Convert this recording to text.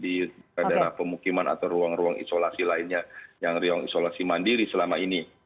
di daerah pemukiman atau ruang ruang isolasi lainnya yang ruang isolasi mandiri selama ini